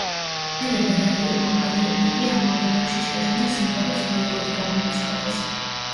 ტელე და რადიო კომპანიებმა კი ამ ალბომებში შეტანილ სიმღერებს ბოიკოტი გამოუცხადეს.